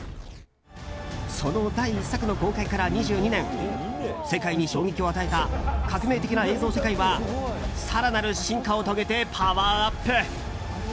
その第１作の公開から２２年世界に衝撃を与えた革命的な映像世界は更なる進化を遂げてパワーアップ。